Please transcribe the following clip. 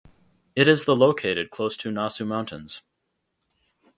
It is the located close to nasu mountains.